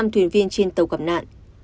năm thuyền viên trên tàu gặp nạn